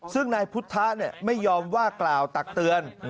ซึ่งนายพุทธไม่ยอมว่ากล่าวตักเตือน